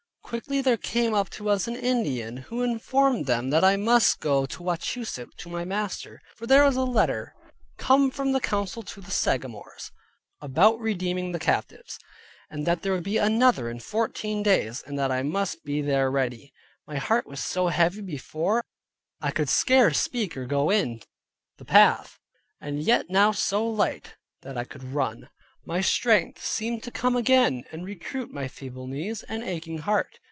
Quickly there came up to us an Indian, who informed them that I must go to Wachusett to my master, for there was a letter come from the council to the Sagamores, about redeeming the captives, and that there would be another in fourteen days, and that I must be there ready. My heart was so heavy before that I could scarce speak or go in the path; and yet now so light, that I could run. My strength seemed to come again, and recruit my feeble knees, and aching heart.